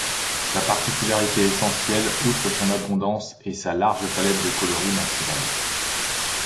Sa particularité essentielle, outre son abondance, est sa large palette de coloris naturels.